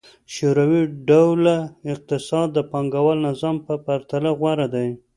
شوروي ډوله اقتصاد د پانګوال نظام په پرتله غوره دی.